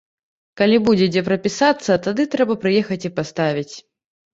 Калі будзе, дзе прапісацца, тады трэба прыехаць і паставіць.